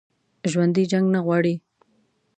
ژوندي جنګ نه غواړي